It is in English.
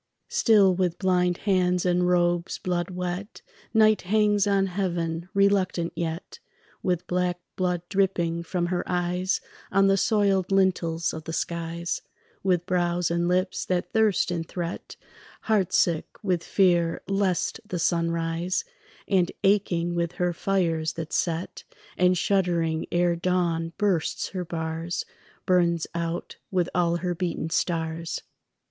Still with blind hands and robes blood wet Night hangs on heaven, reluctant yet, With black blood dripping from her eyes On the soiled lintels of the skies, With brows and lips that thirst and threat, Heart sick with fear lest the sun rise, And aching with her fires that set, And shuddering ere dawn bursts her bars, Burns out with all her beaten stars.